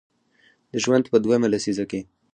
د ژوند په دویمه لسیزه کې